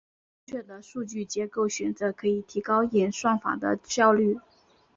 正确的数据结构选择可以提高演算法的效率。